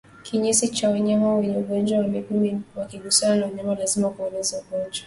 Kinyesi cha wanyama wenye ugonjwa wa miguu na midomo yakigusana na wanyama wazima hueneza ugonjwa